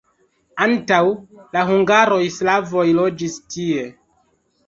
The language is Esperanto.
Antaŭ la hungaroj slavoj loĝis tie.